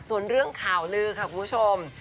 ส่วนเรื่องข่าวลือค่ะคุณผู้ชม